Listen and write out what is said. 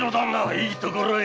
いいところへ。